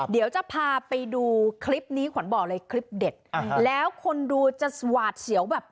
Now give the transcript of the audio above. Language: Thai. เดี๋ยวจะพาไปดูคลิปนี้ขวัญบอกเลยคลิปเด็ดแล้วคนดูจะหวาดเสียวแบบ